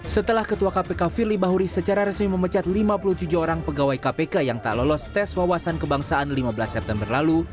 setelah ketua kpk firly bahuri secara resmi memecat lima puluh tujuh orang pegawai kpk yang tak lolos tes wawasan kebangsaan lima belas september lalu